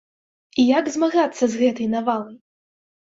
І як змагацца з гэтай навалай.